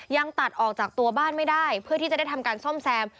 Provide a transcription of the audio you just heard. ยังตัดออกจากตัวบ้านไม่ได้เพื่อที่จะได้ทำการซ่อมแซม